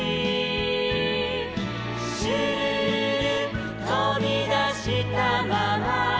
「シュルルルとびだしたまま」